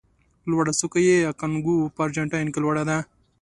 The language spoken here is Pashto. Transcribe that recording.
لوړه څوکه یې اکانکاګو په ارجنتاین کې لوړه ده.